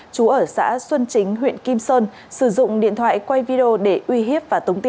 trú ở xã xuân chính huyện kim sơn sử dụng điện thoại quay video để uy hiếp